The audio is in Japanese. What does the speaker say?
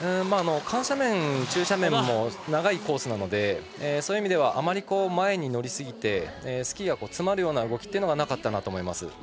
緩斜面、中斜面も長いコースなのでそういう意味ではあまり前に乗りすぎてスキーが詰まるような動きはなかったと思います。